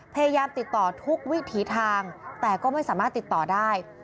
พยายามติดต่อทุกวิถีทางแต่ก็ไม่สามารถติดต่อได้